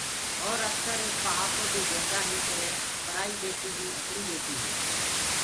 اور اڪسر ايڪ پهاڪو بيٚ ديندآ هينٚ ڪي پرائي ٻيٽي بي اپڻي هي ٻيٽي هي۔